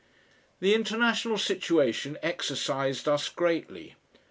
The international situation exercised us greatly.